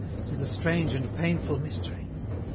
'Tis a strange and painful mystery!